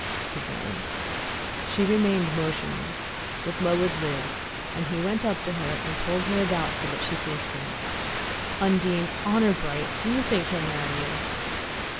he groaned. She remained motionless, with lowered lids, and he went up to her and pulled her about so that she faced him. "Undine, honour bright do you think he'll marry you?"